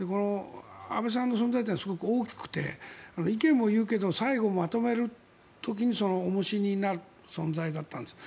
安倍さんの存在というのはすごく大きくて意見も言うけど最後、まとめる時に重しになる存在だったんです。